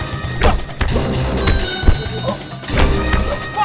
kayaknya mereka mau ngejar kita